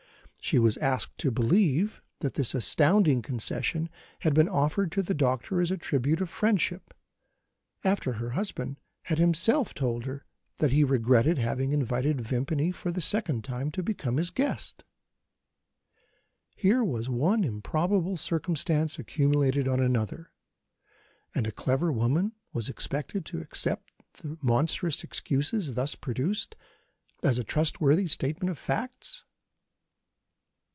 She was asked to believe that this astounding concession had been offered to the doctor as a tribute of friendship, after her husband had himself told her that he regretted having invited Vimpany, for the second time, to become his guest. Here was one improbable circumstance accumulated on another, and a clever woman was expected to accept the monstrous excuses, thus produced, as a trustworthy statement of facts.